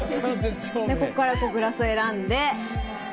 ここからグラスを選んで。